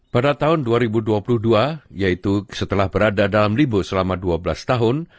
pada tahun dua ribu dua puluh dua yaitu setelah berada dalam libu selama dua belas tahun